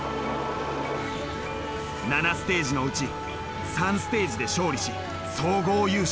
７ステージのうち３ステージで勝利し総合優勝。